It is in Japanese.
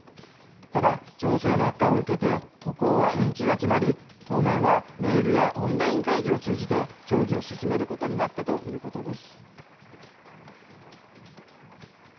ただ、情勢の悪化を受けて、渡航は延期が決まり、当面はメールやオンライン会議を通じて、協議を進めることになったということです。